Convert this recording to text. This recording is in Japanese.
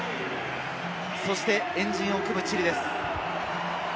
そして円陣を組むチリです。